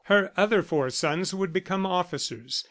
Her other four sons would become officers.